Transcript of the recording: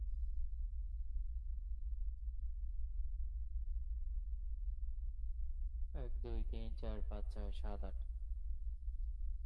এর উদ্দেশ্য ছিল জলবায়ু পরিবর্তনের জন্য সচেতনতা জাগ্রত করা।